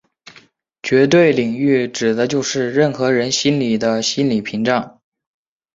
绝对领域指的就是任何人心里的心理屏障。